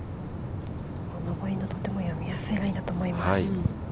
のぼり、とても見やすいラインだと思います。